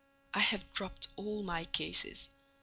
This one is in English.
I have dropped all my cases.